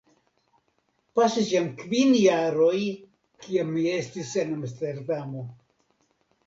Pasis jam kvin jaroj, kiam mi estis en Amsterdamo.